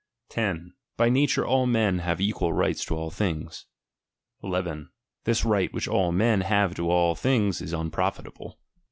10. By nature *U men have equal right to all things. 11. This right which all men have to all things, is unprofitable.